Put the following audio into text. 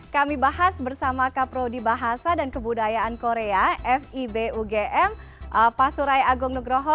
kami bahas bersama kaprodi bahasa dan kebudayaan korea fib ugm pasuraya agung nugroho